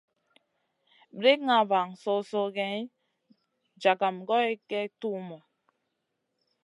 Brikŋa van so-soh geyni, jagam goy kay tuhmu.